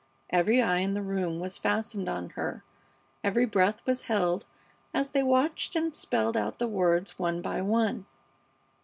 Every eye in the room was fastened on her, every breath was held as they watched and spelled out the words one by one.